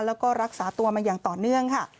แล้วก็รักษาตัวมาอย่างต่อเนื่องค่ะ